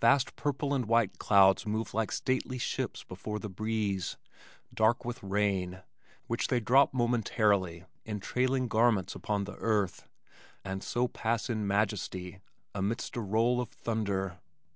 Vast purple and white clouds move like stately ships before the breeze, dark with rain, which they drop momentarily in trailing garments upon the earth, and so pass in majesty amidst a roll of thunder.